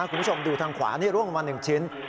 คุณผู้ชมดูทางขวานี่ร่วงมา๑ชิ้น